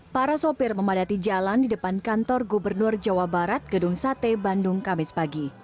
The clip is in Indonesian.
para sopir memadati jalan di depan kantor gubernur jawa barat gedung sate bandung kamis pagi